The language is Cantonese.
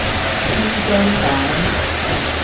煎雙蛋